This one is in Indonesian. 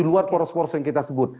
ini adalah poros yang kita sebut